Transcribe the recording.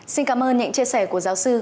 xin cảm ơn những chia sẻ của giáo sư